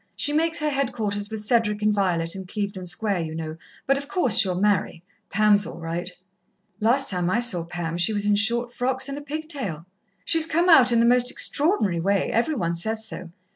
She makes her headquarters with Cedric and Violet in Clevedon Square, you know, but of course she'll marry. Pam's all right." "Last time I saw Pam she was in short frocks and a pigtail." "She's come out in the most extraordinary way. Every one says so.